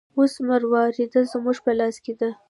اوس مروارید زموږ په لاس کې دی.